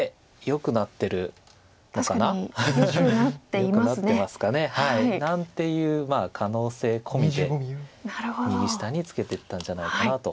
よくなってますか。なんていう可能性込みで右下にツケていったんじゃないかなと思います。